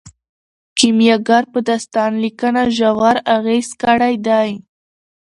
کیمیاګر په داستان لیکنه ژور اغیز کړی دی.